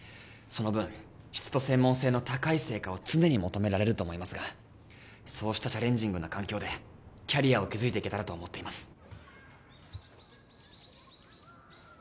その分質と専門性の高い成果を常に求められると思いますがそうしたチャレンジングな環境でキャリアを築いていけたらと思っています